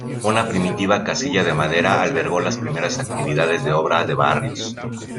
Una primitiva casilla de madera albergó las primeras actividades de Obra de Barrios.